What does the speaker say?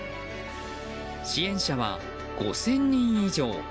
支援者は５０００人以上。